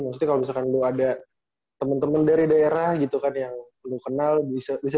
maksudnya kalau misalkan belum ada teman teman dari daerah gitu kan yang belum kenal bisa